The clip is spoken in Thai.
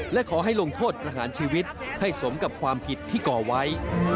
และขอให้ลงโทษประหารชีวิตให้สมกับความผิดที่ก่อไว้